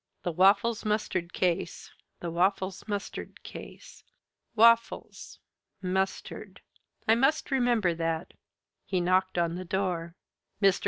"The Waffles Mustard case. The Waffles Mustard case. Waffles! Mustard! I must remember that." He knocked on the door. "Mr.